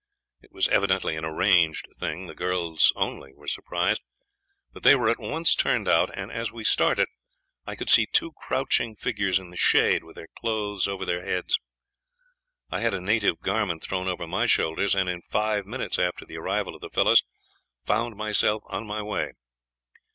It was evidently an arranged thing, the girls only were surprised, but they were at once turned out, and as we started I could see two crouching figures in the shade with their cloths over their heads. I had a native garment thrown over my shoulders, and in five minutes after the arrival of the fellows found myself on my way.